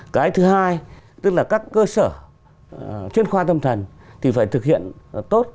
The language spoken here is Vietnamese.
cái thứ hai tức là các cơ sở chuyên khoa tâm thần thì phải thực hiện tốt